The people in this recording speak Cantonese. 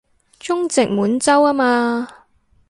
中殖滿洲吖嘛